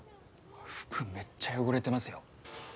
服めっちゃ汚れてますよ。